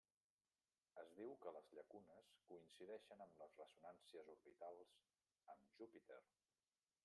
Es diu que les llacunes coincideixen amb les ressonàncies orbitals amb Júpiter.